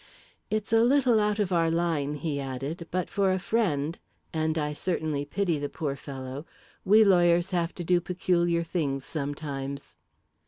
"It's a little out of our line," he added. "But for a friend and I certainly pity the poor fellow we lawyers have to do peculiar things sometimes."